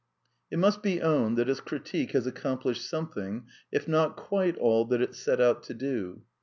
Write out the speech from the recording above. It must be owned that its critique has accomplished something, if not quite all that it set out to do.